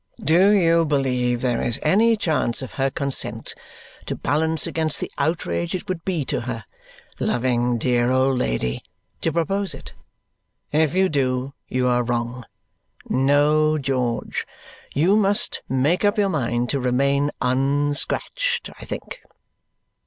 Do you believe there is any chance of her consent, to balance against the outrage it would be to her (loving dear old lady!) to propose it? If you do, you are wrong. No, George! You must make up your mind to remain UNscratched, I think."